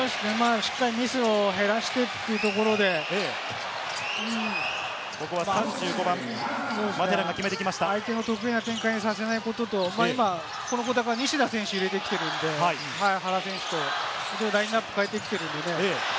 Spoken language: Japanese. しっかりミスを減らしてというところで、相手の得意な展開にさせないことと、このクオーター、西田選手、入れてきているんで、原選手とラインアップを変えてきているので。